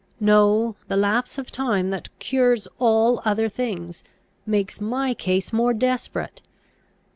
No; the lapse of time, that cures all other things, makes my case more desperate!